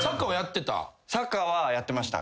サッカーはやってました。